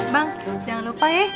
bang jangan lupa ya